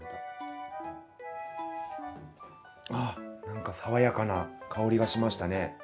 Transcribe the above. あ何か爽やかな香りがしましたね。